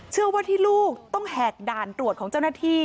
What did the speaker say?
เชื่อว่าที่ลูกต้องแหกด่านตรวจของเจ้าหน้าที่